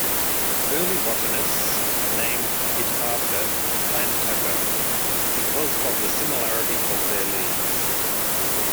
Early botanists named it after the "Plantago" because of the similarity of their leaves.